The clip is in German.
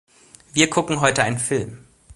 Wir gucken heute einen Film.